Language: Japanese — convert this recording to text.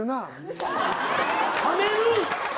冷める？